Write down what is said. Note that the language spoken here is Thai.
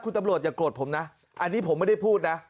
คุณตำรวจอย่าโกรธผมนะอันนี้ผมไม่ได้พูดนะ